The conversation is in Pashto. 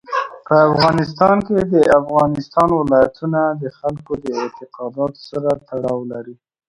په افغانستان کې د افغانستان ولايتونه د خلکو د اعتقاداتو سره تړاو لري.